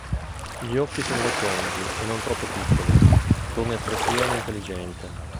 Gli occhi sono rotondi e non troppo piccoli, con espressione intelligente.